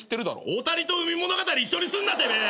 大谷と海物語一緒にすんなてめえ！